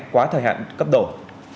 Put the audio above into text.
quá thời hạn cấp đổi